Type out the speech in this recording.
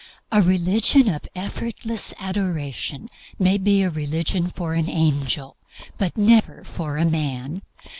A religion of effortless adoration may be a religion for an angel, but never for a man.